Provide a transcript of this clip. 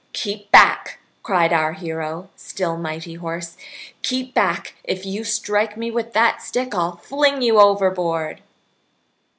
"Keep back!" cried out our hero, still mighty hoarse. "Keep back! If you strike me with that stick I'll fling you overboard!"